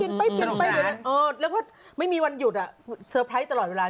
เรียกว่าไม่มีวันหยุดสเตอร์ไพรส์ตลอดเวลา